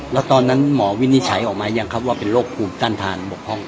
แล้วตอนนั้นหมอวินิจฉัยออกมายังครับว่าเป็นโรคภูมิต้านทางบกพร่อง